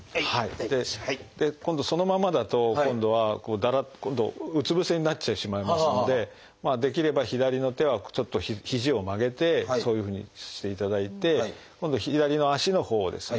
今度そのまんまだと今度はうつぶせになってしまいますのでできれば左の手はちょっと肘を曲げてそういうふうにしていただいて今度左の脚のほうをですね